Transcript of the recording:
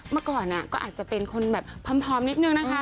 เมื่อก่อนก็อาจจะเป็นคนแบบพร้อมนิดนึงนะคะ